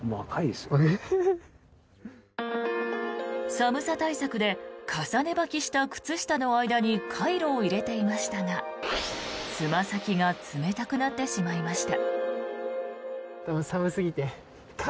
寒さ対策で重ねばきした靴下の間にカイロを入れていましたがつま先が冷たくなってしまいました。